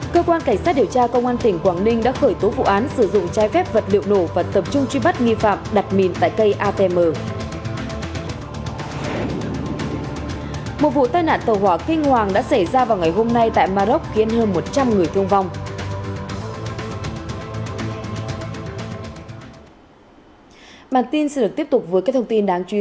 cơ quan cảnh sát điều tra công an tỉnh quảng ninh đã khởi tố vụ án sử dụng trái phép vật liệu nổ và tập trung truy bắt nghi phạm